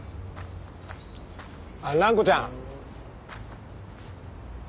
あっ蘭子ちゃん。